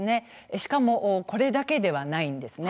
しかもこれだけではないんです。